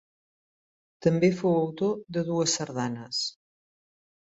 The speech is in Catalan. També fou autor de dues sardanes.